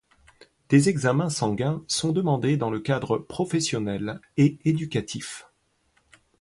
Des examens sanguins sont demandés dans le cadre professionnel et éducatif.